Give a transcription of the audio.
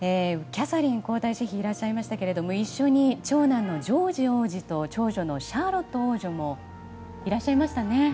キャサリン皇太子妃いらっしゃいましたが一緒に長男のジョージ王子と長女のシャーロット王女もいらっしゃいましたね。